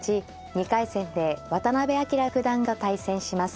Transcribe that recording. ２回戦で渡辺明九段と対戦します。